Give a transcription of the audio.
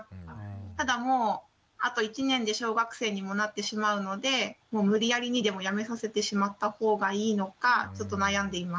ただもうあと１年で小学生にもなってしまうので無理やりにでもやめさせてしまったほうがいいのかちょっと悩んでいます。